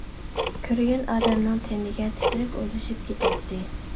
كۆرگەن ئادەمنىڭ تېنىگە تىترەك ئولىشىپ كېتەتتى.